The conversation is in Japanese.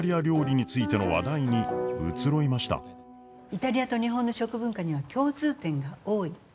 イタリアと日本の食文化には共通点が多い。